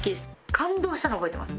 感動したのを覚えてます。